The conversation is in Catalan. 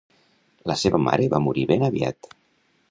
La seva mare va morir ben aviat.